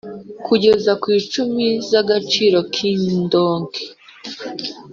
Kugeza ku icumi z’ agaciro k’ indonke